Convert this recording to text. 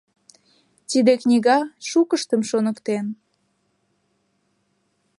Тиде книга шукыштым шоныктен.